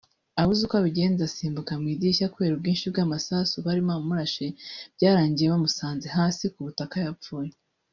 abuze uko abigenza asimbuka mu idirishya ; kubera ubwinshi bw’amasasu bari bamurashe byarangiye bamusanga hasi ku butaka yapfuye